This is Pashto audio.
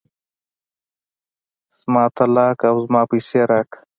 زما طلاق او زما پيسې راکه.